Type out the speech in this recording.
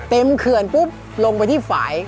เขื่อนปุ๊บลงไปที่ฝ่าย